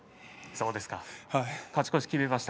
勝ち越しを決めました。